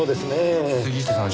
杉下さん